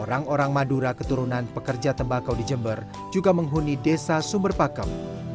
orang orang madura keturunan pekerja tembakau di jember juga menghuni desa sumber pakem